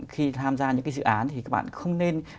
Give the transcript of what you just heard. khi tham gia những cái dự án thì các bạn không nên